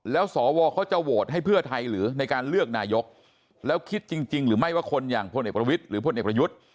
แล้วสวเขาจะโหวตให้เพื่อไทยหรือในการเลือกนายกแล้วคิดจริงหรือไม่ว่าคนอย่างพลเอกประวิทย์หรือพลเอกประยุทธ์